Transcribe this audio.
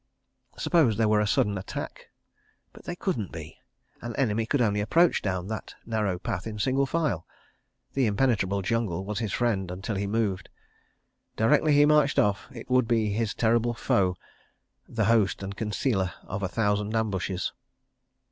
... Suppose there were a sudden attack? But there couldn't be? An enemy could only approach down that narrow path in single file. The impenetrable jungle was his friend until he moved. Directly he marched off it would be his terrible foe, the host and concealer of a thousand ambushes.